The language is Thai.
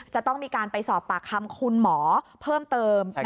จะต้องมีการไปสอบปากคำคุณหมอเพิ่มเติม